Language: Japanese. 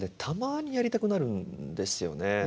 たまにやりたくなるんですよね。